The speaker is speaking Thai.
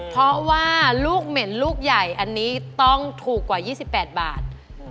เพราะว่าลูกเหม็นลูกใหญ่อันนี้ต้องถูกกว่า๒๘บาท